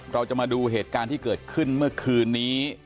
เราจะมาดูเหตุการณ์ที่เกิดขึ้นเมื่อคืนนี้